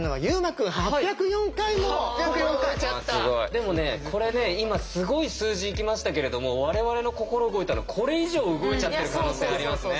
でもねこれね今すごい数字いきましたけれども我々の心動いたのこれ以上動いちゃってる可能性ありますね。